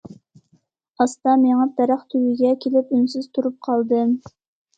ئاستا مېڭىپ دەرەخ تۈۋىگە كېلىپ، ئۈنسىز تۇرۇپ قالدىم.